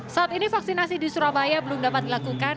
saat ini vaksinasi di surabaya belum dapat dilakukan